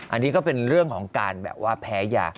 อันนี้ก็เป็นเรื่องของการแบบว่าแพ้ยา